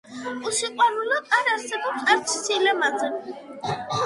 უსიყვარულოდ არ არსებობს არც სილამაზე,